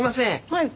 はい。